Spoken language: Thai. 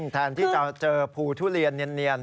แทนที่จะเจอภูทุเรียนเนียน